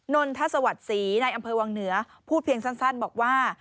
นนทสวัสดิ์ศรีในอำเภอวังเหนือพูดเพียงสั้นบอกว่า